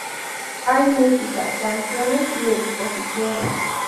Hay música, canciones y exposiciones.